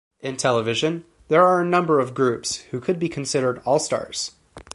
In television, there are a number of groups who could be considered All-Stars.